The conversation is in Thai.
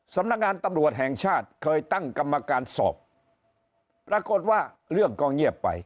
สำนักงานตำรวจแห่งชาติเคยตั้งกรรมการสอบปรากฏว่าเรื่องก็เงียบไป